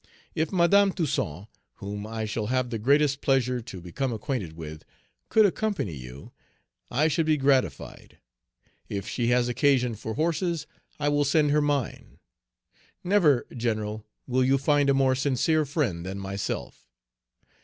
If Madame Toussaint, whom I shall have the greatest pleasure to become acquainted with, could accompany you, I should be gratified; if she has occasion for horses, I will send her mine. Never, General, will you find a more sincere friend than myself.